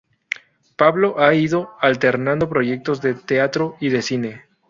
Pablo ha ido alternando proyectos de teatro y de cine.